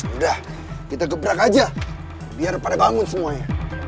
udah kita gebrak aja biar pada bangun semuanya